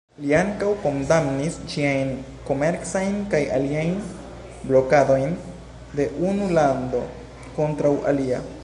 Li ankaŭ kondamnis ĉiajn komercajn kaj aliajn blokadojn de unu lando kontraŭ alia.